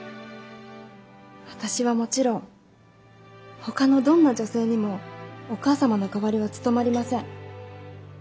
私はもちろんほかのどんな女性にもお母様の代わりは務まりません。